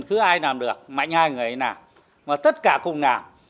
cứ ai làm được mạnh hai người ấy làm mà tất cả cùng làm